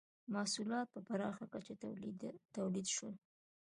• محصولات په پراخه کچه تولید شول.